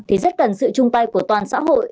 thì rất cần sự chung tay của toàn xã hội